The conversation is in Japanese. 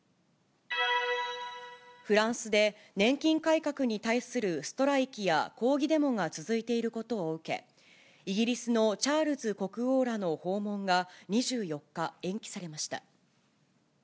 フランスで、年金改革に対するストライキや抗議デモが続いていることを受け、イギリスのチャールズ国王らの訪問が２４日、延期されました。